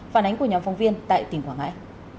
phản ánh của nhóm phóng viên tại tỉnh quảng ngãi